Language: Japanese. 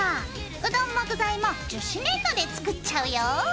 うどんも具材も樹脂粘土で作っちゃうよ。